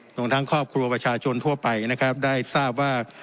รวมทั้งครอบครัวประชาชนทั่วไปนะครับได้ทราบว่า